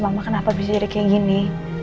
mama kenapa bisa jadi seperti ini